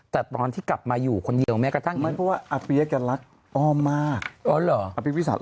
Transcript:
แต่ตอนที่กลับมาอยู่คนเดียวแม้กระทั่งก็เพราะอ้อมมากเอาเหรอ